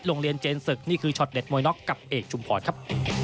โรงเรียนเจนศึกนี่คือช็อตเด็ดมวยน็อกกับเอกชุมพรครับ